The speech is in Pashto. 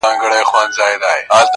پلار یې تېر تر هدیرې سو تر قبرونو،